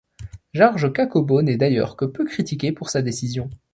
George Cakobau n'est d'ailleurs que peu critiqué pour sa décision.